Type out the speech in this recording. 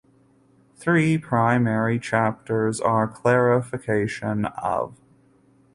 Three primary chapters are clarification of